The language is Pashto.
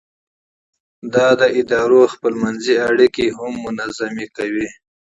دا د ادارو خپل منځي اړیکې هم تنظیموي.